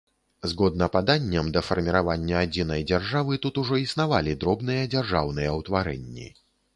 Згодна паданням, да фарміравання адзінай дзяржавы тут ўжо існавалі дробныя дзяржаўныя ўтварэнні.